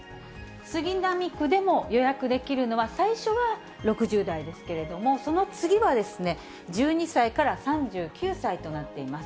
杉並区でも、予約できるのは最初は６０代ですけれども、その次はですね、１２歳から３９歳となっています。